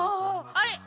あれ？